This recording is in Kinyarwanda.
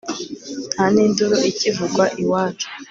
nta n'induru ikivugwa iwacu